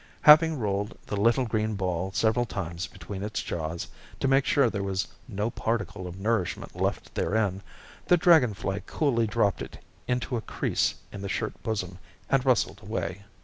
Having rolled the little green ball several times between its jaws, to make sure there was no particle of nourishment left therein, the dragon fly coolly dropped it into a crease in the shirt bosom, and rustled away.